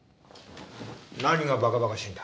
何がバカバカしいんだ？